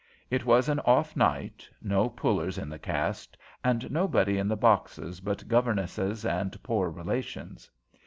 It was an off night, no pullers in the cast, and nobody in the boxes but governesses and poor relations.